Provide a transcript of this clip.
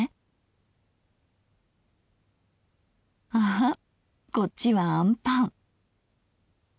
あはこっちはアンパン。